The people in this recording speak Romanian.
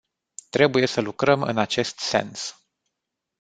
Trebuie să lucrăm în acest sens.